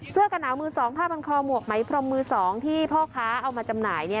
กระหนาวมือ๒ผ้าพันคอหมวกไหมพรมมือ๒ที่พ่อค้าเอามาจำหน่าย